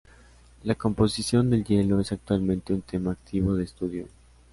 La composición del hielo es actualmente un tema activo de estudio.